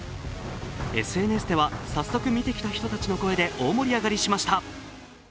ＳＮＳでは早速見てきた人たちの声で大盛り上がりしました。